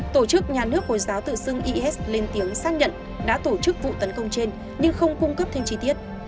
tổ chức nhà nước hồi giáo tự xưng is lên tiếng xác nhận đã tổ chức vụ tấn công trên nhưng không cung cấp thêm chi tiết